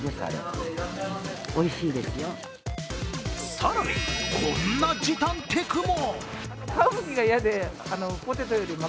更に、こんな時短テクも。